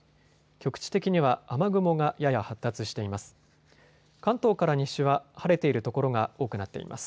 局地的には雨雲がやや発達しています。